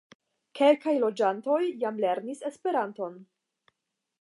Kelkaj loĝantoj jam lernis Esperanton.